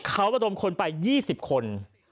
เขาระดมคนไป๒๐คน